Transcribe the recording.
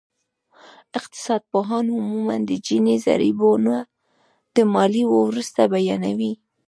اقتصادپوهان عموماً د جیني ضریبونه د ماليې وروسته بیانوي